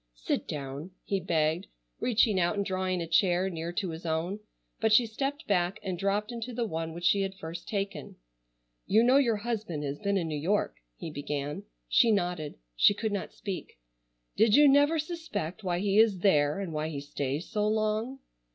"Sit down," he begged, reaching out and drawing a chair near to his own, but she stepped back and dropped into the one which she had first taken. "You know your husband has been in New York?" he began. She nodded. She could not speak. "Did you never suspect why he is there and why he stays so long?"